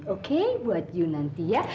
oke buat you nanti ya